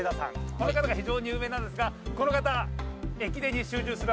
この方が非常に有名なんですがこの方駅伝に集中する